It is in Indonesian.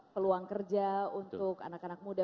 peluang kerja untuk anak anak muda